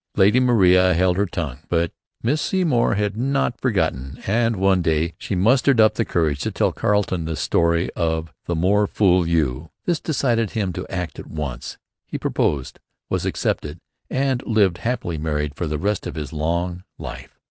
Lady Maria held her tongue. But Miss Seymour had not forgotten; and one day she mustered up courage to tell Carleton the story of 'the more fool you!' This decided him to act at once. He proposed; was accepted; and lived happily married for the rest of his long life.